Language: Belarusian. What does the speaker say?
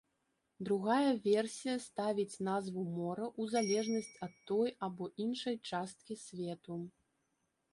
Другая версія ставіць назву мора ў залежнасць ад той або іншай часткі свету.